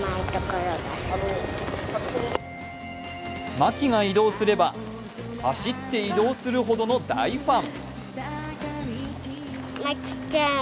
牧が移動すれば走って移動するほどの大ファン。